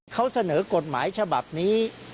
เขาเสนอกฎหมายฉบับนี้